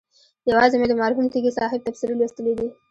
یوازې مې د مرحوم تږي صاحب تبصرې لوستلي دي.